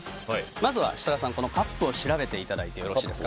まずは設楽さん、このカップを調べていただいていいですか。